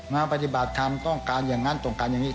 มาปฏิบัติธรรมต้องการอย่างนั้นต้องการอย่างนี้